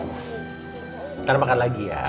ntar makan lagi ya